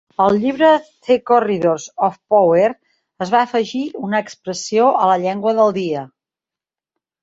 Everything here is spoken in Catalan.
Al llibre "The Corridors of Power" es va afegir una expressió a la llengua del dia.